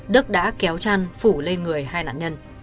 đức đã kéo chăn phủ lên người hai nạn nhân